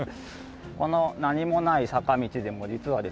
この何もない坂道でも実はですね